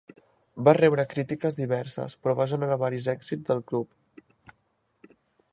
Va rebre crítiques diverses, però va generar varis èxits del club.